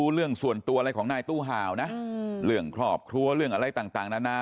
เรื่องส่วนตัวอะไรของนายตู้ห่าวนะเรื่องครอบครัวเรื่องอะไรต่างนานา